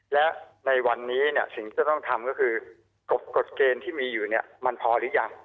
และในวันนี้สิ่งที่จะต้องทำก็คือกฎเกณฑ์ที่มีอยู่เนี่ยมันพอหรือยัง